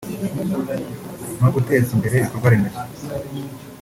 no guteza imbere ibikorwa remezo